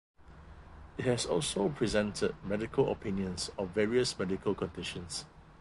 It has also presented medical opinions of various medical conditions.